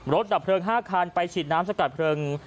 ดับเพลิง๕คันไปฉีดน้ำสกัดเพลิง